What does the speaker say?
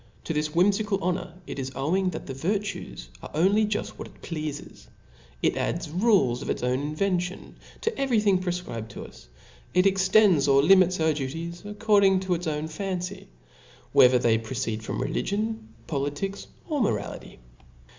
To this whimfical honor it is owing that the vir tues are only juft what it pleafes ; it adds rules a( its own invention to every thing prefcribed to us i it extends or limits our duties according to its own fancy, whether they proceed from religion, poli tics, or morality.